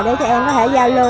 để cho em có thể giao lưu